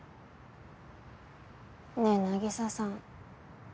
ねぇ凪沙さん。